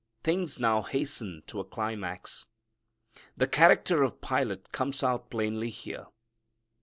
Things now hasten to a climax. The character of Pilate comes out plainly here.